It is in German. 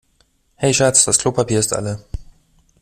Hey Schatz, das Klopapier ist alle.